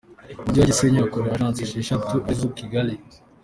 Mu mujyi wa Gisenyi hakorera Agence esheshatu ari zo Kigali.